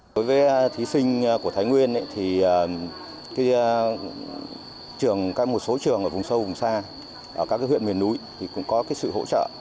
đối với thí sinh của thái nguyên một số trường ở vùng sâu vùng xa các huyện miền núi cũng có sự hỗ trợ